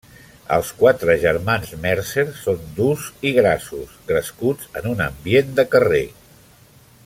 Els quatre germans Mercer són durs i grassos, crescuts en un ambient de carrer.